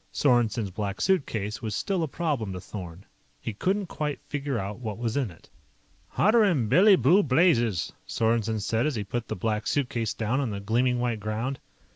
Sorensen's Black Suitcase was still a problem to Thorn. He couldn't quite figure out what was in it. "Hotter'n Billy Blue Blazes!" Sorensen said as he put the Black Suitcase down on the gleaming white ground.